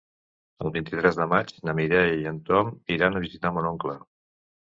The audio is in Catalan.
El vint-i-tres de maig na Mireia i en Tom iran a visitar mon oncle.